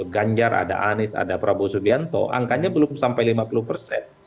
ganjar ada anies ada prabowo subianto angkanya belum sampai lima puluh persen